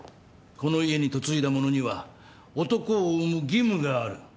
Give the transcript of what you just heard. この家に嫁いだ者には男を産む義務がある。